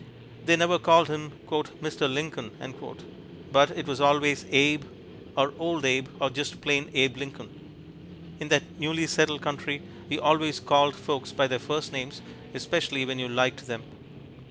They never called him "Mister Lincoln," but it was always Abe, or Old Abe, or just plain Abe Lincoln. In that newly settled country you always called folks by their first names, especially when you liked them.